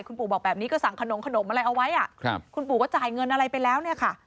คุณปู่บอกแบบนี้ก็สั่งขนมอะไรเอาไว้คุณปู่ก็จ่ายเงินอะไรไปแล้วเนี่ยค่ะ